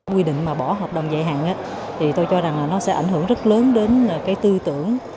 quy định mà bỏ hợp đồng dài hạn thì tôi cho rằng là nó sẽ ảnh hưởng rất lớn đến cái tư tưởng